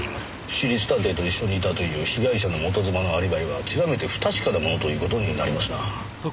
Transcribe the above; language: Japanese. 私立探偵と一緒にいたという被害者の元妻のアリバイはきわめて不確かなものという事になりますな。